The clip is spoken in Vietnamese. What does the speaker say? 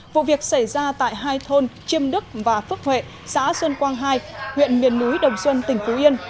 vụ việc xảy ra tại hai thôn chiêm đức và phước huệ xã xuân quang hai huyện miền núi đồng xuân tỉnh phú yên